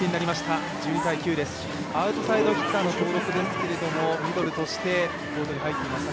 アウトサイドヒッターですけれども、ミドルとしてコートに入っています